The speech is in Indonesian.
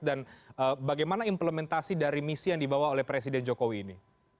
dan bagaimana implementasi dari misi yang dibawa oleh presiden jokowi ini